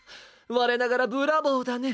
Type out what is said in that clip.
われながらブラボーだね！